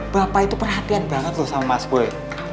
bapak itu perhatian banget loh sama mas boy